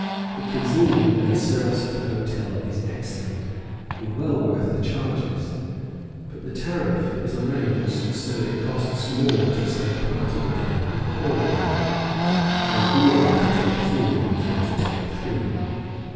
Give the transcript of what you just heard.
The cuisine and service of the hotel is excellent, and well worth the charges; but the tariff is arranged so that it costs more to stay part of a day than a whole one, and more to take two meals than to take three.